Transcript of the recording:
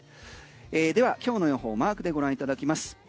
では今日の予報マークでご覧いただきます。